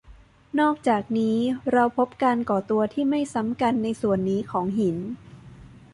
นอกจากนี้เราพบการก่อตัวที่ไม่ซ้ำกันในส่วนนี้ของหิน